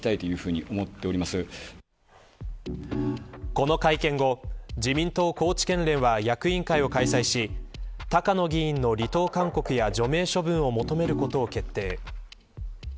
この会見後、自民党高知県連は役員会を開催し高野議員の離党勧告や除名処分を求めることを決定。